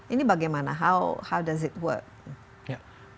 ini bagaimana bagaimana itu berfungsi